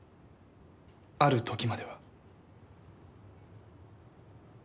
ある時までは。